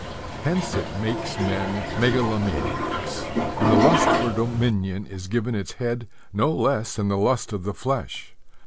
Hence it makes men mengalomaniacs, and the lust for dominion is given its head no less than the lust of the flesh.